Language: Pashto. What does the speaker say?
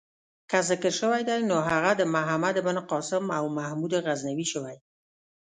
که ذکر شوی دی نو هغه د محمد بن قاسم او محمود غزنوي شوی.